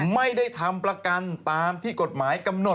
ไม่ได้ทำประกันตามที่กฎหมายกำหนด